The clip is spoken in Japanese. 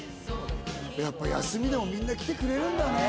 やっぱ休みでもみんな来てくれるんだね。